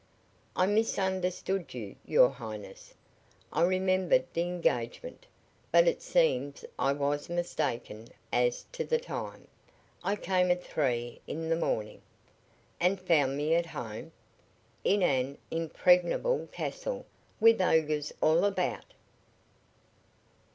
"I misunderstood you, your highness. I remembered the engagement, but it seems I was mistaken as to the time. I came at three in the morning!" "And found me at home!" "In an impregnable castle, with ogres all about."